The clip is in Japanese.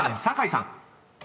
酒井さん］